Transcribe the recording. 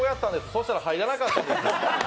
そしたら入らなかったんです。